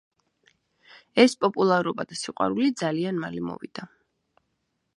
ეს პოპულარობა და სიყვარული ძალიან მალე მოვიდა.